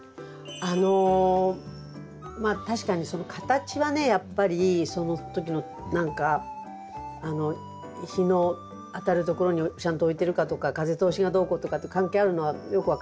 あのまあ確かにその形はねやっぱりその時の何か日の当たるところにちゃんと置いてるかとか風通しがどうこうとかと関係あるのはよく分かるんですけど。